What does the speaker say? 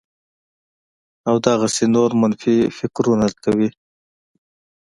او دغسې نور منفي فکرونه کوي